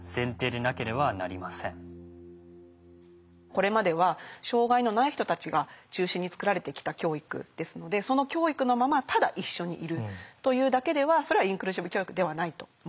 これまでは障害のない人たちが中心に作られてきた教育ですのでその教育のままただ一緒にいるというだけではそれはインクルーシブ教育ではないと思うんですね。